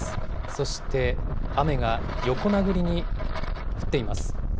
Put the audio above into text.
そして雨が横殴りに降っています。